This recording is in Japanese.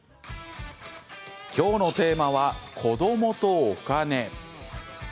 今日のテーマは子どもとお金。